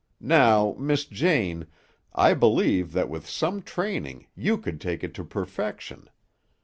Now, Miss Jane, I believe that with some training you could take it to perfection.